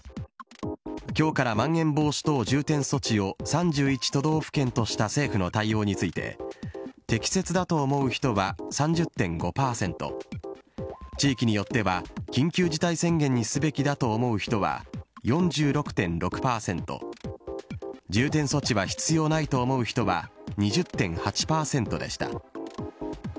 きょうからまん延防止等重点措置を３１都道府県とした政府の対応について、適切だと思う人は３０．５％、地域によっては緊急事態宣言にすべきだと思う人は４６．６％、重点措置は必要ないと思う人は２０．８％でした。